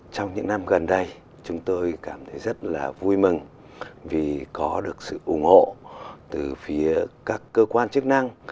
trong những năm gần đây chúng tôi cảm thấy rất là vui mừng vì có được sự ủng hộ từ phía các cơ quan chức năng